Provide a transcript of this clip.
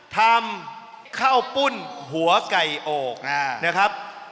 ทำข้าวปุ้นหัวไก่อกนะครับ